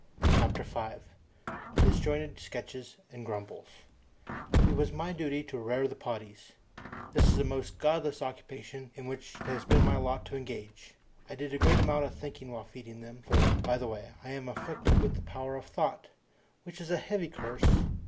CHAPTER FIVE Disjointed Sketches And Grumbles It was my duty to "rare the poddies". This is the most godless occupation in which it has been my lot to engage. I did a great amount of thinking while feeding them for, by the way, I am afflicted with the power of thought, which is a heavy curse.